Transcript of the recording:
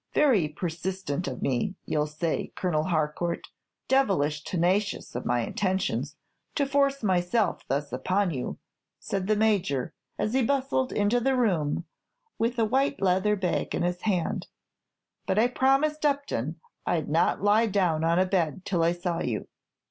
"Very persistent of me, you'll say, Colonel Harcourt. Devilish tenacious of my intentions, to force myself thus upon you!" said the Major, as he bustled into the room, with a white leather bag in his hand; "but I promised Upton I'd not lie down on a bed till I saw you."